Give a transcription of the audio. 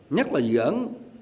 nhất là dự án